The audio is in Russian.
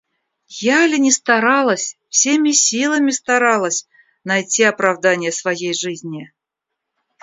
Я ли не старалась, всеми силами старалась, найти оправдание своей жизни?